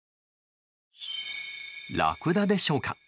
ラクダでしょうか。